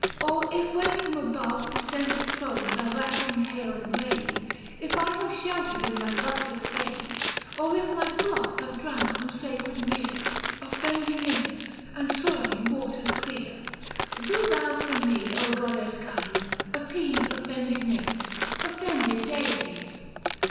. Or if when from above Descended prone the rattling hail and rain, 870 If I have sheltered in thy rustic fane, Or if my flock have drank from sacred mere, Offending Nymphs, and soiling waters clear, Do thou for me, Goddess kind, appease Offended Nymphs, offended deities.